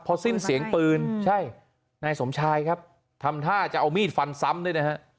พอสิ้นเสียงปืนใช่นายสมชายครับทำท่าจะเอามีดฟันซ้ำด้วยนะฮะ